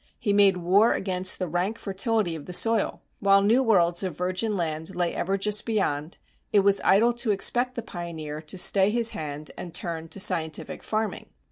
He made war against the rank fertility of the soil. While new worlds of virgin land lay ever just beyond, it was idle to expect the pioneer to stay his hand and turn to scientific farming.